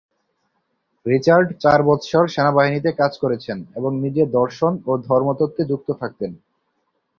Richard চার বৎসর সেনাবাহিনীতে কাজ করেছেন ও নিজে দর্শন ও ধর্মতত্ত্বে যুক্ত থাকতেন।